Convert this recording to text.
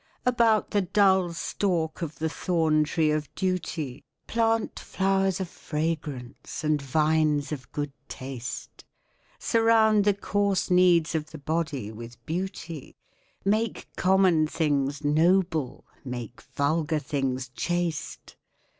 About the dull stalk of the thorntree of duty Plant flowers of fragrance and vines of good taste. Surround the coarse needs of the body with beauty, Make common things noble, make vulgar things chaste.